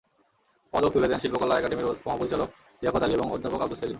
পদক তুলে দেন শিল্পকলা একাডেমীর মহাপরিচালক লিয়াকত আলী এবং অধ্যাপক আবদুস সেলিম।